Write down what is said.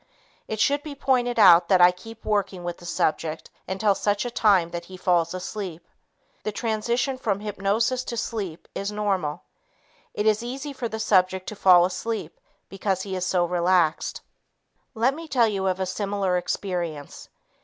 It should be pointed out that I keep working with the subject until such time that he falls asleep. The transition from hypnosis to sleep is normal. It is easy for the subject to fall asleep because he is so relaxed. Let me tell you of a similar experience.